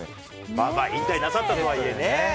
まあまあ引退なさったとはいえね。